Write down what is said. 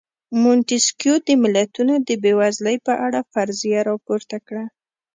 مونتیسکیو د ملتونو د بېوزلۍ په اړه فرضیه راپورته کړه.